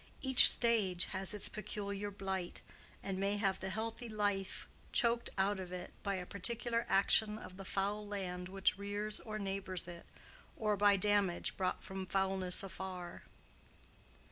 Each stage has its peculiar blight, and may have the healthy life choked out of it by a particular action of the foul land which rears or neighbors it, or by damage brought from foulness afar.